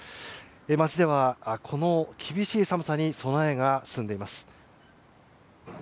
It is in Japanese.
街では、この厳しい寒さに備えが進んでいます。